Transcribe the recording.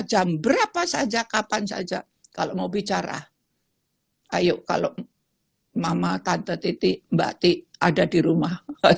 jam berapa saja kapan saja kalau mau bicara ayo kalau mama tante titik mbak ti ada di rumah